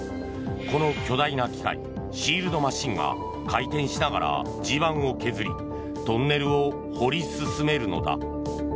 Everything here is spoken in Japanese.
この巨大な機械シールドマシンが回転しながら地盤を削りトンネルを掘り進めるのだ。